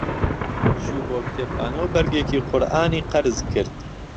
چوو بۆ کتێبخانە و بەرگێکی قورئانی قەرز کرد.